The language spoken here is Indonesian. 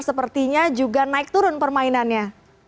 sepertinya juga naik turun permainannya